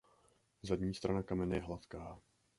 Zadní strana kamene je hladká.